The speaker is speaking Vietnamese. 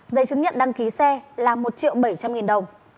giấy chứng nhận đăng ký xe là một triệu bảy trăm linh nghìn đồng